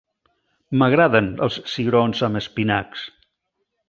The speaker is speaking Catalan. M'agraden els cigrons amb espinacs.